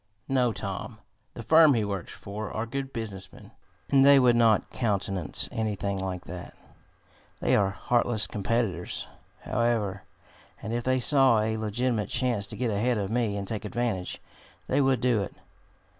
"No, Tom. The firm he works for are good business men, and they would not countenance anything like that. They are heartless competitors, however, and if they saw a legitimate chance to get ahead of me and take advantage, they would do it.